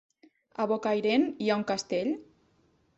A Bocairent hi ha un castell?